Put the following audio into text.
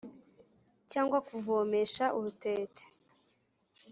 cyangwa kuvomesha urutete